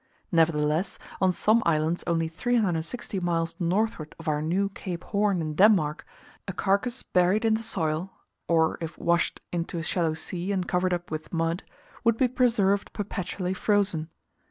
Nevertheless, on some islands only 360 miles northward of our new Cape Horn in Denmark, a carcass buried in the soil (or if washed into a shallow sea, and covered up with mud) would be preserved perpetually frozen.